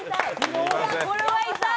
これは痛い。